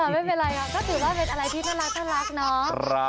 ก็ถือว่าเป็นอะไรที่ต้องรักเนอะ